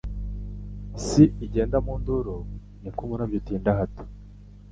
Si igenda mu nduru ! »Ni ko umurabyo utinda hato :